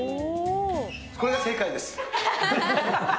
これが正解です。